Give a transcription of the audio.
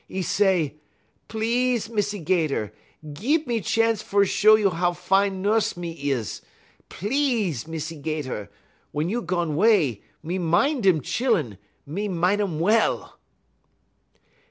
'E say: "'Please, Missy 'Gator, gib me chance fer show you how fine nuss me is please, Missy 'Gator. Wun you gone 'way, me min' dem chillun, me min' um well.'